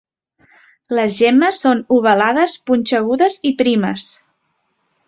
Les gemmes són ovalades, punxegudes i primes.